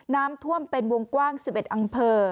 น้ำท่วมเป็นวงกว้าง๑๑อำเภอ